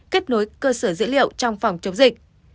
kết nối cơ sở dữ liệu trong phòng chống dịch